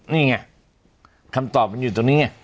นี่ไงคำตอบมันอยู่ตรงนี้ไง